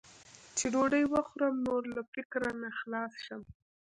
چې ډوډۍ وخورم، نور له فکر نه خلاص شم.